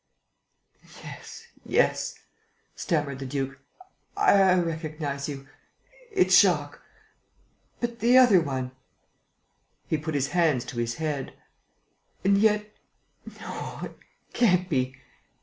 "Yes, yes," stammered the duke, "I recognize you. It's Jacques. But the other one...." He put his hands to his head: "And yet, no, it can't be